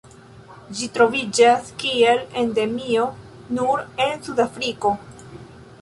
Ĝi troviĝas kiel endemio nur en Sudafriko.